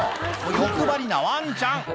欲張りなワンちゃん」